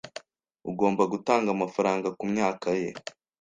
Ugomba gutanga amafaranga kumyaka ye.